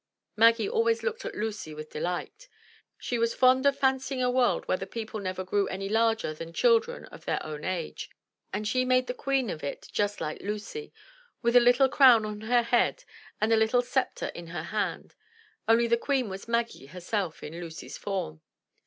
Maggie always looked at Lucy with delight. She was fond of fancying a world where the people never grew any larger than children of their own age, and she made the queen of it just like Lucy, with a little crown on her head and a little sceptre in her hand — only the queen was Maggie herself in Lucy's form.